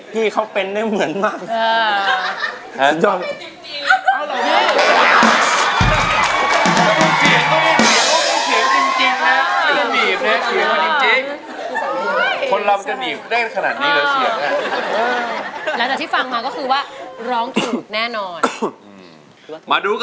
พี่เขาเป็นได้เหมือนมาก